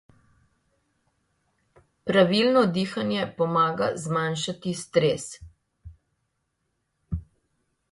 Pravilno dihanje pomaga zmanjšati stres.